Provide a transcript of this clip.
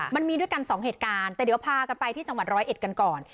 มันมีด้วยกันสองเหตุการณ์แต่เดี๋ยวพากันไปที่จังหวัดร้อยเอ็ดกันก่อน